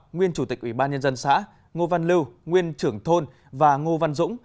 nguyên chủ tịch ủy ban nhân dân xã ngô văn lưu nguyên trưởng thôn và ngô văn dũng